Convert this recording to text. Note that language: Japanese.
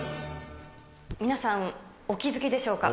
皆さん、お気付きでしょうか。